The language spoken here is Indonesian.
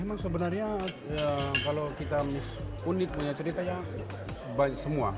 emang sebenarnya kalau kita kunyit punya ceritanya semua